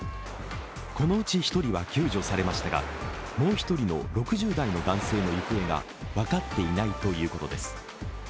このうち１人は救助されましたがもう一人の６０代の男性の行方が分かっていないということです。